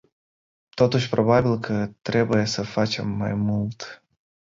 Totuși, probabil că trebuie să facem mai mult.